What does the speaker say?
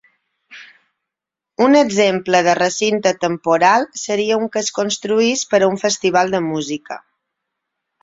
Un exemple de recinte temporal seria un que es construís per a un festival de música.